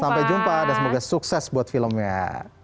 sampai jumpa dan semoga sukses buat filmnya